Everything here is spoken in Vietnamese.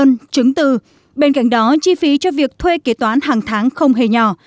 những đó chi phí cho việc thuê kế toán hàng tháng không hề nhỏ